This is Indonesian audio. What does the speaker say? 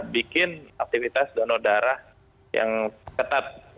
bikin aktivitas donor darah yang ketat